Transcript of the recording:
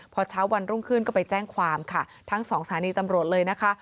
พอเช้าวันรุ่งขึ้นก็ไปแจ้งความค่ะทั้งสองสถานีตำรวจเลยนะคะ